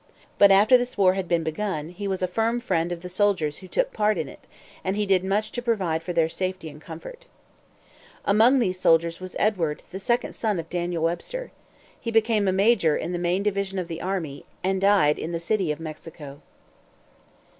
But after this war had been begun, he was a firm friend of the soldiers who took part in it, and he did much to provide for their safety and comfort. Among these soldiers was Edward, the second son of Daniel Webster. He became a major in the main division of the army, and died in the City of Mexico.